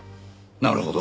なるほど。